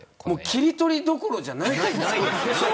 切り取りどころじゃないですよ。